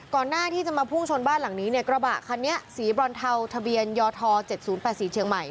หน้าที่จะมาพุ่งชนบ้านหลังนี้เนี่ยกระบะคันนี้สีบรอนเทาทะเบียนยท๗๐๘๔เชียงใหม่